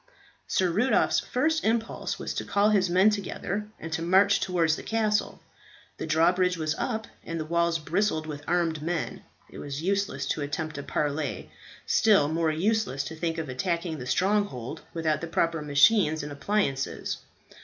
Sir Rudolph's first impulse was to call his men together and to march towards the castle. The drawbridge was up, and the walls bristled with armed men. It was useless to attempt a parley; still more useless to think of attacking the stronghold without the proper machines and appliances.